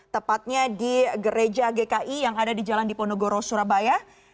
tepatnya di gereja gki yang ada di jalan diponegoro surabaya